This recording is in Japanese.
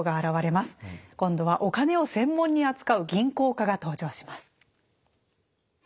今度はお金を専門に扱う銀行家が登場します。